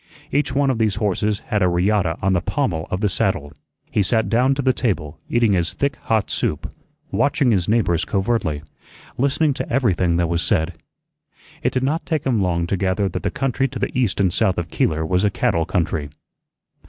Each one of these horses had a riata on the pommel of the saddle. He sat down to the table, eating his thick hot soup, watching his neighbors covertly, listening to everything that was said. It did not take him long to gather that the country to the east and south of Keeler was a cattle country.